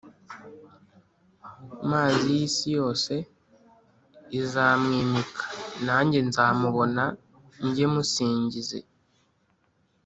Maz’iyi si yose - izamwimika; najye nzamubona - njyemusingize.